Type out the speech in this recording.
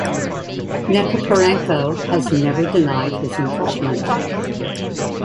Nechiporenko has never denied his involvement.